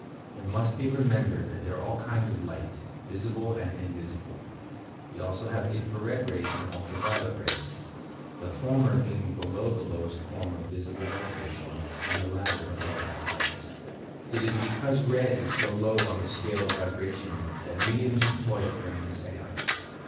It must be remembered that there are all kinds of light, visible and invisible. We also have infra red rays and ultra violet rays,— the former being below the lowest form of visible vibration, and the latter above the high est. It is because red is so low in the scale of vibration that mediums employ it during the seance.